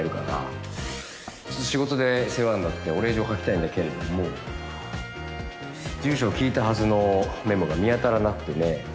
ちょっと仕事で世話になってお礼状を書きたいんだけれども住所を聞いたはずのメモが見当たらなくてね。